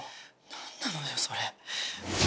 何なのよそれ。